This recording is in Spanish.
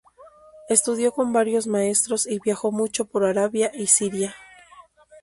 Estudió con varios maestros y viajó mucho por Arabia y Siria.